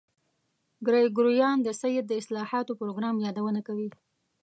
ګریګوریان د سید د اصلاحاتو پروګرام یادونه کوي.